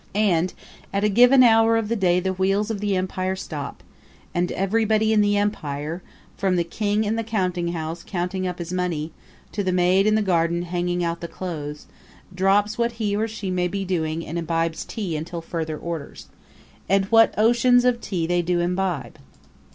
And at a given hour of the day the wheels of the empire stop, and everybody in the empire from the king in the counting house counting up his money, to the maid in the garden hanging out the clothes drops what he or she may be doing and imbibes tea until further orders. And what oceans of tea they do imbibe!